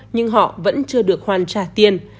nhưng họ vẫn chưa được hoàn trả tiền